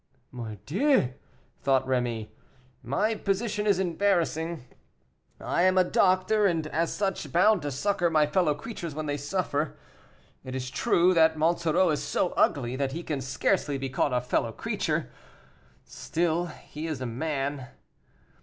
"Mordieu!" thought Rémy, "my position is embarrassing. I am a doctor, and, as such, bound to succor my fellow creatures when they suffer. It is true that Monsoreau is so ugly that he can scarcely be called a fellow creature, still he is a man.